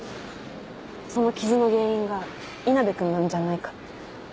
その傷の原因が稲辺君なんじゃないかって。